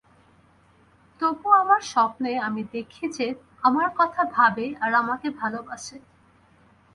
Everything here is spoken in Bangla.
তবুও আমার স্বপ্নে, আমি দেখি যে আমার কথা ভাবে আর আমাকে ভালোবাসে।